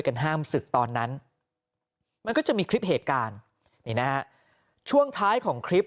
ห้ามศึกตอนนั้นมันก็จะมีคลิปเหตุการณ์นี่นะฮะช่วงท้ายของคลิป